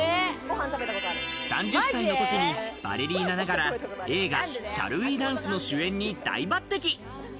３０歳の時にバレリーナながら映画『Ｓｈａｌｌｗｅダンス？』の主演に大抜擢。